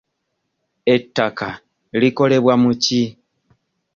Ettaka likolebwa mu ki?